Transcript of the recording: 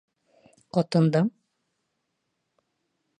Ҡатындың: